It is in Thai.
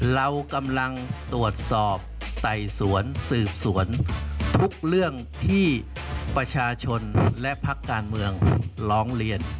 เรากำลังตรวจสอบไต่สวนสืบสวนทุกเรื่องที่ประชาชนและพักการเมืองร้องเรียน